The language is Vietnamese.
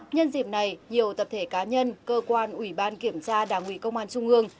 nhân dịp này nhiều tập thể cá nhân cơ quan ủy ban kiểm tra đảng ủy công an trung ương